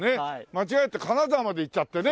間違えて金沢まで行っちゃってね。